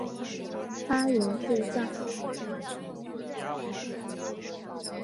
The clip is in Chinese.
她原是上海百乐门舞厅的头牌舞女。